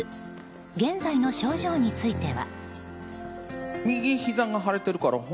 現在の症状については。